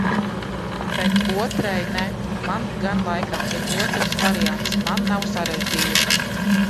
Bet otrai ne. Man gan laikam ir otrs variants-man nav sarežģījumu.